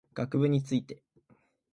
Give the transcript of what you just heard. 学部について